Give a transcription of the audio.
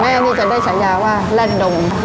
แม่นี่จะได้ฉายาว่าแร่นดม